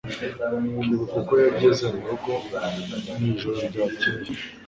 kwibuka uko yageze murugo mwijoro ryakeye